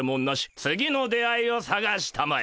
次の出会いをさがしたまえ！